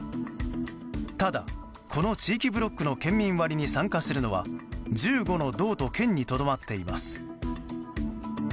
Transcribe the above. ただ、この地域ブロックの県民割に参加するのは１５の道と県にとどまっています。